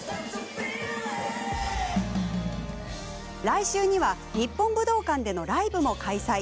来週には日本武道館でのライブも開催。